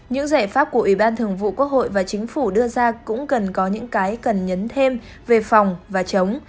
những giải pháp của ủy ban thường vụ quốc hội và chính phủ đưa ra cũng cần có những cái cần nhấn thêm về phòng và chống